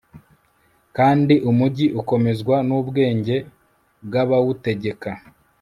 kandi umugi ukomezwa n'ubwenge bw'abawutegeka